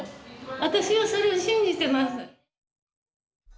私はそれを信じてます。